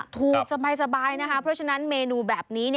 สบายนะคะเพราะฉะนั้นเมนูแบบนี้